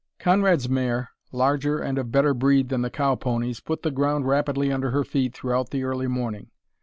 Conrad's mare, larger and of better breed than the cow ponies, put the ground rapidly under her feet throughout the early morning.